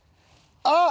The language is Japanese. あっ！